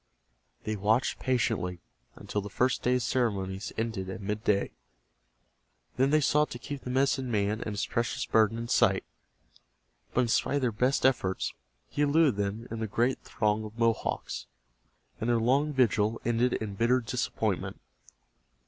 They watched patiently until the first day's ceremony ended at midday. Then they sought to keep the medicine man and his precious burden in sight, but in spite of their best efforts he eluded them in the great throng of Mohawks, and their long vigil ended in bitter disappointment.